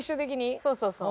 そうそうそう。